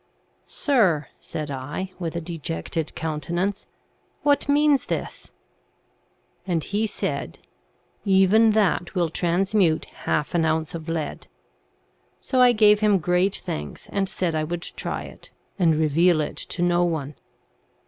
' Sir,' said I, with a dejected countenance, * what means this ?' And he said, * Even that will transmute half an ounce of lead.' So I gave him great thanks, and said I would try it, and reveal it to no one.